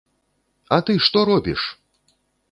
А ты што робіш!